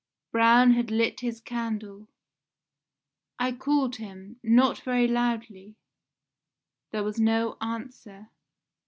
Braun had lit his candle. I called him, not very loudly: there was no answer.